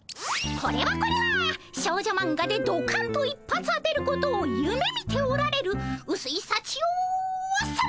これはこれは少女マンガでどかんと一発当てることをゆめみておられるうすいさちよさま！